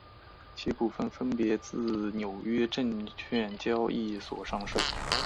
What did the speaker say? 其股份分别自纽约证券交易所上市。